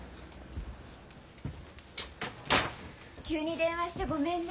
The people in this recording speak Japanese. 急に電話してごめんね。